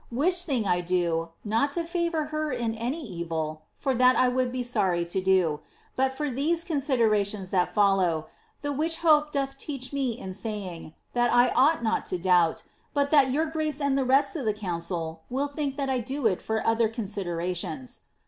Which thing I do, not to favour her in any evil (for that I would be sorry to do), but for these considerations, that fol low, the which hope doth teach me in saying, that I ought not to doubt but that Tour jfrace and the rest of the council will think that I do it for other con siderations.